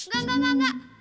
gak gak gak gak